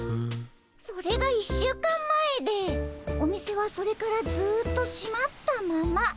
それが１週間前でお店はそれからずっとしまったまま。